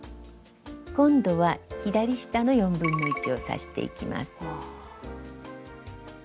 今度は左下の1/4を刺していきます。